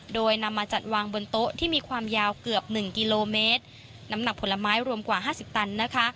โดยนำมาจัดวางบนโต๊ะที่มีความยาวเกือบหนึ่งกิโลเมตรน้ำหนักผลไม้รวมกว่าห้าสิบตันนะคะ